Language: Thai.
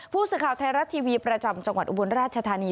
ผู้สื่อข่าวไทยรัฐทีวีประจำจังหวัดอุบลราชธานี